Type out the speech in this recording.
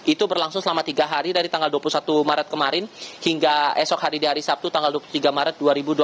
itu berlangsung selama tiga hari dari tanggal dua puluh satu maret kemarin hingga esok hari di hari sabtu tanggal dua puluh tiga maret dua ribu dua puluh